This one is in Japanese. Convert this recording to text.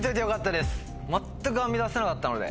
全く編み出せなかったので。